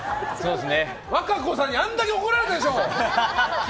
和歌子さんにあんなに怒られたでしょ！